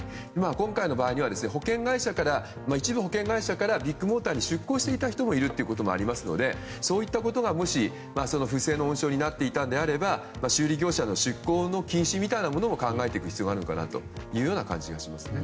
今回の場合は一部保険会社からビッグモーターに出向していた人もいるということなのでそういったことが、もし不正の温床になっていたのであれば修理業者の出向の禁止も考えていく必要があるのかなと思います。